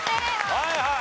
はいはい。